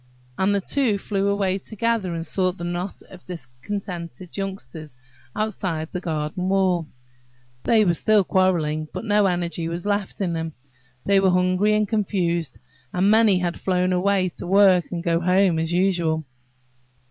And the two flew away together and sought the knot of discontented youngsters outside the garden wall. They were still quarrelling, but no energy was left them. They were hungry and confused, and many had flown away to work and go home as usual.